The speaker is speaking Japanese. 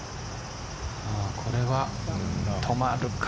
これは止まるか。